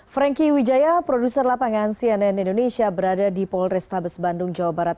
franky wijaya produser lapangan cnn indonesia berada di polrestabes bandung jawa barat